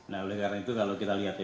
nah oleh karena itu kalau kita lihat ya